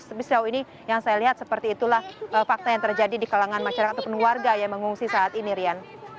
tapi sejauh ini yang saya lihat seperti itulah fakta yang terjadi di kalangan masyarakat ataupun warga yang mengungsi saat ini rian